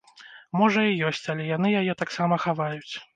Можа і ёсць, але яны яе таксама хаваюць.